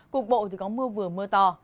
cục bộ thì có mưa vừa mưa to